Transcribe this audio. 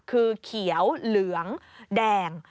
คือเขียวเหลืองแดง